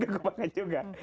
gak kebangan juga